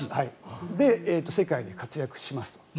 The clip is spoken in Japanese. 世界で活躍しますと。